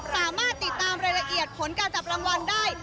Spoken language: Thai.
สามารถติดตามรายละเอียดผลการจับรางวัลได้